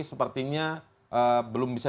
sepertinya belum bisa